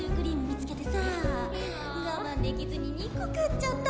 我慢できずに２個買っちゃった。